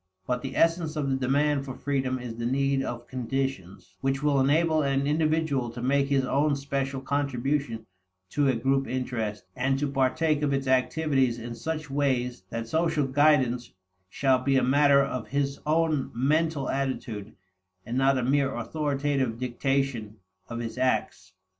But the essence of the demand for freedom is the need of conditions which will enable an individual to make his own special contribution to a group interest, and to partake of its activities in such ways that social guidance shall be a matter of his own mental attitude, and not a mere authoritative dictation of his acts.